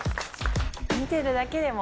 見てるだけでも。